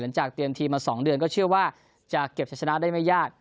เตรียมทีมมา๒เดือนก็เชื่อว่าจะเก็บชะชนะได้ไม่ยาก